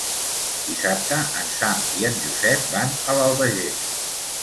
Dissabte en Sam i en Josep van a l'Albagés.